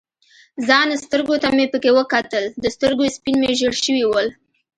ځان سترګو ته مې پکې وکتل، د سترګو سپین مې ژړ شوي ول.